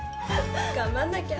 頑張んなきゃ。